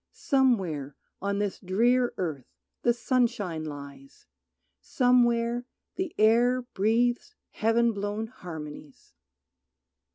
Somewhere on this drear earth the sunshine lies, Somewhere the air breathes Heaven blown harmonies.